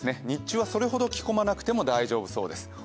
日中はそれほど着込まなくても大丈夫そうです。